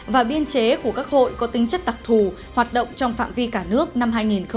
và biên chế của các hội có tính chất tặc thù hoạt động trong phạm vi cả nước năm hai nghìn một mươi chín